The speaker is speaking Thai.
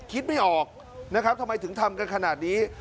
คิดไม่ออกนะครับทำไมถึงทำกันขนาดนี้